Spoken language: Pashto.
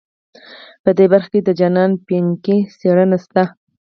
په دې برخه کې د جاناتان پینکني څېړنه شته.